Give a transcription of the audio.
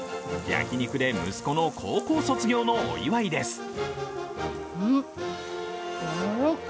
焼き肉で息子の高校卒業のお祝いです。